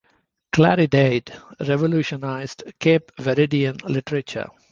"Claridade" revolutionized Cape Verdean literature.